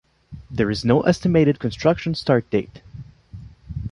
There is no estimated construction start date.